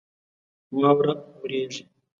واوره وریږي